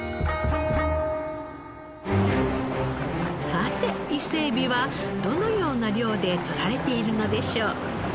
さて伊勢えびはどのような漁でとられているのでしょう？